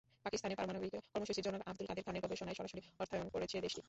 পাকিস্তানের পারমাণবিক কর্মসূচির জনক আবদুল কাদের খানের গবেষণায় সরাসরি অর্থায়ন করেছে দেশটি।